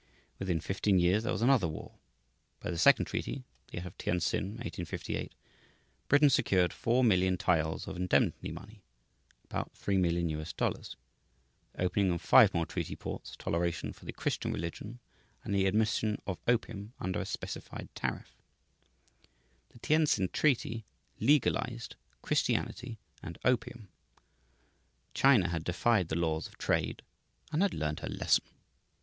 Within fifteen years there was another war. By the second treaty (that of Tientsin, 1858) Britain secured 4,000,000 taels of indemnity money (about $3,000,000), the opening of five more treaty ports, toleration for the Christian religion, and the admission of opium under a specified tariff. The Tientsin Treaty legalized Christianity and opium. China had defied the laws of trade, and had learned her lesson.